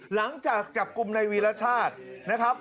หลังจากจับกลุ่มในวีรชาตินะครับ